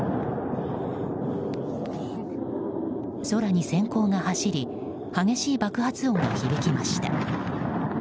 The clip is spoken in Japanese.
空に閃光が走り激しい爆発音が響きました。